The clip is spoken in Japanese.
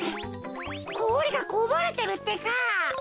こおりがこぼれてるってか。